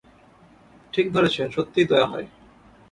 ঠিক ধরেছেন, সত্যিই দয়া হয়।